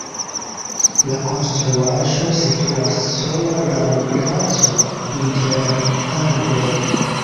La konstruaĵo situas sola laŭ placo inter arboj.